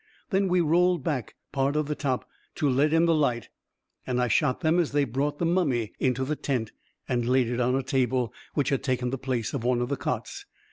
Then we rolled back part of the top to let in the light, and I shot them as they brought the mummy into the tent and laid it on a table, which had taken the place of one of the cots.